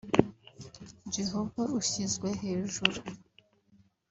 Jehovah ushyizwe hejuru’